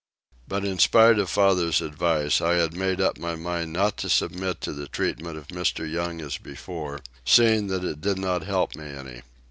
But in spite of father's advice, I had made up my mind not to submit to the treatment of Mr. Young as before, seeing that it did not help me any.